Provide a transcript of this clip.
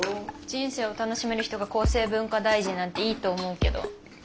人生を楽しめる人が厚生文化大臣なんていいと思うけど。